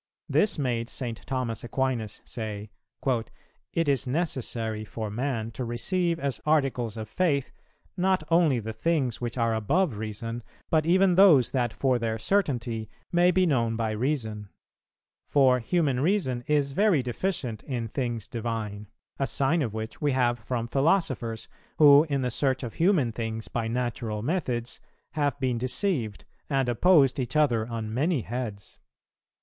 This made St. Thomas Aquinas say: 'It is necessary for man to receive as articles of Faith, not only the things which are above Reason, but even those that for their certainty may be known by Reason. For human Reason is very deficient in things divine; a sign of which we have from philosophers, who, in the search of human things by natural methods, have been deceived, and opposed each other on many heads.